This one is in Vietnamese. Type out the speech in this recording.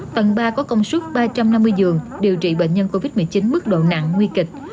tầng ba có công suất ba trăm năm mươi giường điều trị bệnh nhân covid một mươi chín mức độ nặng nguy kịch